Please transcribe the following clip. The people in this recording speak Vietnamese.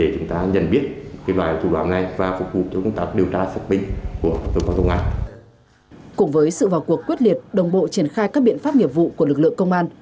cùng với sự vào cuộc quyết liệt đồng bộ triển khai các biện pháp nghiệp vụ của lực lượng công an